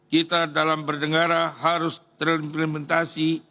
kita dalam berdengara harus terimplementasi